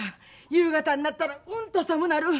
夕方になったらうんと寒なる。